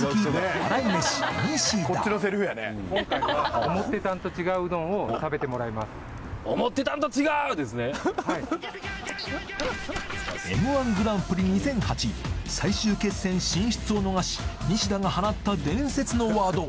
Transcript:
笑い飯西田Ｍ−１グランプリ２００８最終決戦進出を逃し西田が放った伝説のワード